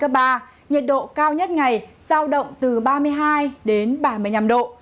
gió tây nam cấp hai cấp ba nhiệt độ cao nhất ngày giao động từ ba mươi hai đến ba mươi năm độ